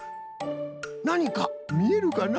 なにかみえるかな？